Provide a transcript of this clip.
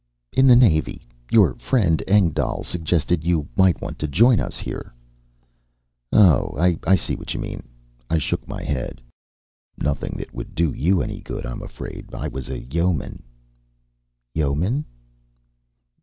"In the Navy. Your friend Engdahl suggested you might want to join us here." "Oh. I see what you mean." I shook my head. "Nothing that would do you any good, I'm afraid. I was a yeoman." "Yeoman?"